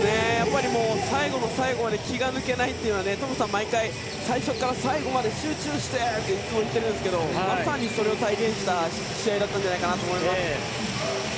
最後の最後まで気が抜けないというのはトムさんは毎回最初から最後まで集中して！っていつも言っているんですけどまさにそれを体現した試合だったのではと思います。